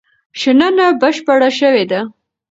شننه بشپړه شوې ده.